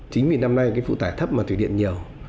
chính vì năm nay cái phụ tải thấp mà thủy điện nhiều